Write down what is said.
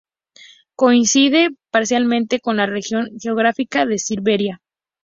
Coincide parcialmente con la región geográfica de Siberia.